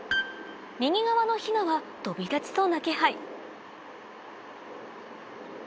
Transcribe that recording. ⁉右側のヒナは飛び立ちそうな気配